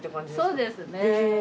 そうですね。